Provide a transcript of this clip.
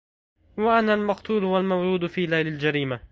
وأنا المقتول والمولود في ليل الجريمهْ